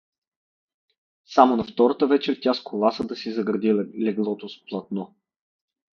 Само на втората вечер тя сколаса да си загради леглото с платно.